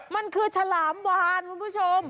มันคือฉลามวานคุณผู้ชม